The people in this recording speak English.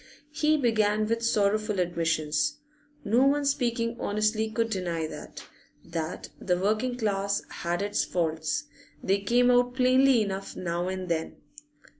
He began with sorrowful admissions. No one speaking honestly could deny that that the working class had its faults; they came out plainly enough now and then.